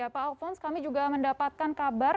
pak alphonse kami juga mendapatkan kabar